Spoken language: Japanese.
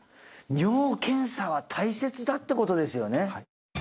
尿検査は大切だってことですよね